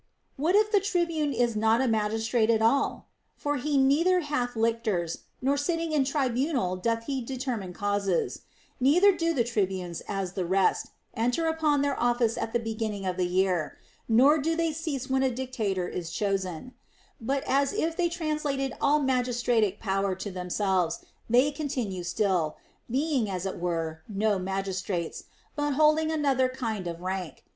What if the tribune is not a magistrate at all I For he neither hath lictors, nor sitting in tribunal doth he determine causes ; neither do the tribunes, as the rest, enter upon their office at the beginning of the year, THE ROMAN QUESTIONS. 247 nor do they cease when a dictator is chosen ; but as if they translated all magistrate power to themselves, they continue still, being (as it were) no magistrates, but hold ing another kind of rank.